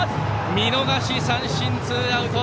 見逃し三振、ツーアウト！